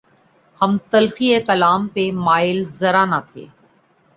ہم تلخیِ کلام پہ مائل ذرا نہ تھے